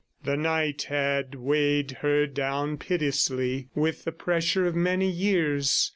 The night had weighed her down pitilessly with the pressure of many years.